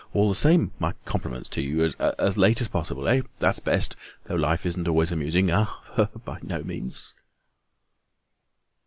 All the same, my compliments to you. As late as possible, eh? That's best, though life isn't always amusing; ah! no, by no means."